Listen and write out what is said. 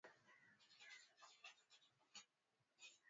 Kudanganya si vizuri .